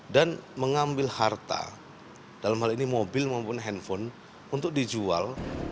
dan mengambil harta dalam hal ini mobil maupun handphone untuk dijual